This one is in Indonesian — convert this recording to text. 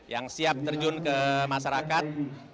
yang siap terjun ke masyarakat